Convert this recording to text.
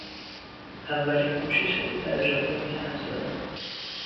اولین کوشش او در ژاپنی حرف زدن